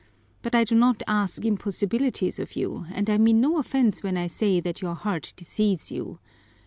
But I do not ask impossibilities of you and I mean no offense when I say that your heart deceives you.